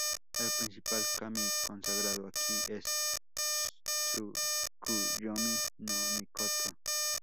El principal kami consagrado aquí es Tsukuyomi-no-Mikoto.